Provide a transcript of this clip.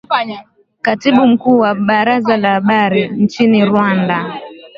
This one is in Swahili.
katibu mkuu wa baraza la habari nchini rwanda